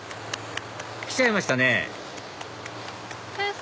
来ちゃいましたね福生！